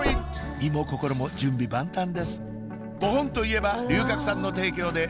身も心も準備万端です